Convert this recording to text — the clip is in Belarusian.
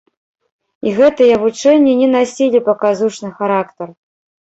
І гэтыя вучэнні не насілі паказушны характар.